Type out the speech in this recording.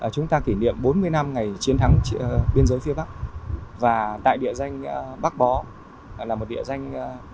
chúng ta kỷ niệm bốn mươi năm ngày chiến thắng biên giới phía bắc và tại địa danh bác bó là một địa danh